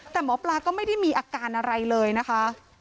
แต่หมอปลาก็ไม่ได้มีอาการอะไรเลยนะคะ